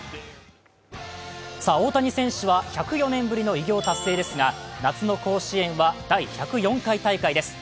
大谷選手は１０４年ぶりの偉業達成ですが夏の甲子園は第１０４回大会です。